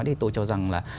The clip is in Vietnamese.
thì tôi cho rằng là